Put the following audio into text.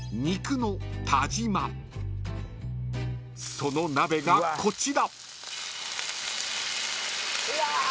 ［その鍋がこちら］